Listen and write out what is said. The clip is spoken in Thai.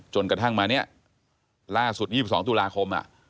จนกระทั่งมาเนี่ยล่าสุด๒๒ตุลาคม